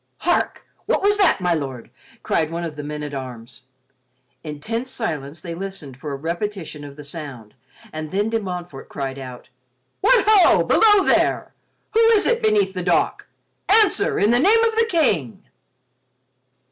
"Hark! What was that, My Lord?" cried one of the men at arms. In tense silence they listened for a repetition of the sound and then De Montfort cried out: "What ho, below there! Who is it beneath the dock? Answer, in the name of the King!"